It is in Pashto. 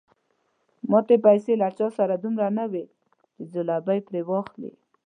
ماتې پیسې له چا سره دومره نه وې چې ځلوبۍ پرې واخلي.